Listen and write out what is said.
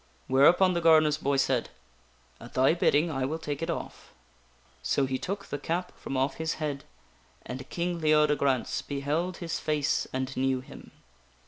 Whereupon the gardener's boy said :" At thy bidding I will take it off." So he took the cap from off his head, and King Leodegrance beheld his face and knew him.